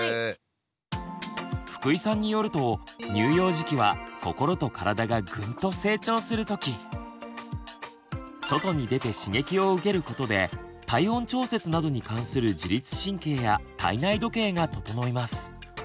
福井さんによると外に出て刺激を受けることで体温調節などに関する自律神経や体内時計が整います。